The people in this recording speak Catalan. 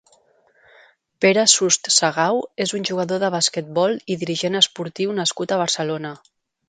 Pere Sust Sagau és un jugador de basquetbol i dirigent esportiu nascut a Barcelona.